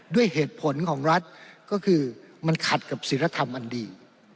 ด้วยเหตุผลของรัฐก็คือมันขัดกับศิลธรรมอันดี